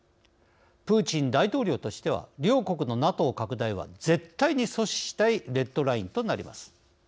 プーチン大統領としては両国のＮＡＴＯ拡大は絶対に阻止したいレッドラインとなります。